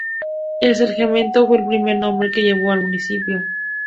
El Sargento fue el primer nombre que llevó el municipio.